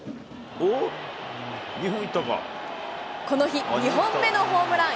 この日２本目のホームラン。